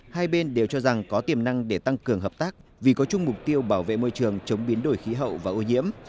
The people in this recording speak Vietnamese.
hai bên đều cho rằng có tiềm năng để tăng cường hợp tác vì có chung mục tiêu bảo vệ môi trường chống biến đổi khí hậu và ô nhiễm